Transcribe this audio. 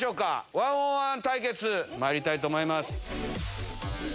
１オン１対決、まいりたいと思います。